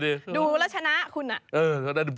ดูแล้วชนะคุณอ่ะ